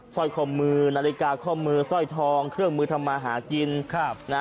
สร้อยข้อมือนาฬิกาข้อมือสร้อยทองเครื่องมือทำมาหากิน